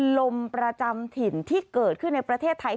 ลมประจำถิ่นที่เกิดขึ้นในประเทศไทย